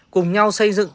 cùng nhau xây dựng